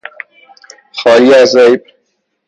خالی از عیب